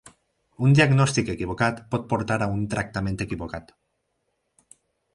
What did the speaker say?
Un diagnòstic equivocat pot portar a un tractament equivocat.